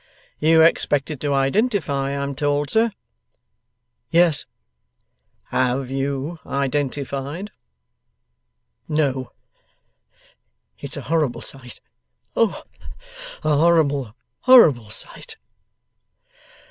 'You expected to identify, I am told, sir?' 'Yes.' 'HAVE you identified?' 'No. It's a horrible sight. O! a horrible, horrible sight!